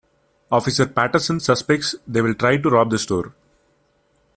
Officer Patterson suspects they will try to rob the store.